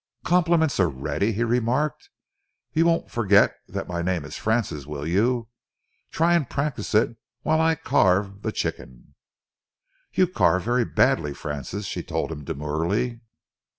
"Compliments already!" he remarked. "You won't forget that my name is Francis, will you? Try and practise it while I carve the chicken." "You carve very badly, Francis," she told him demurely.